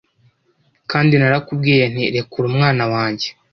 kandi narakubwiye nti rekura umwana wanjye